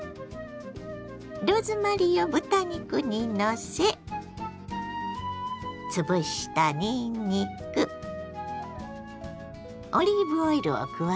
ローズマリーを豚肉にのせ潰したにんにくオリーブオイルを加えます。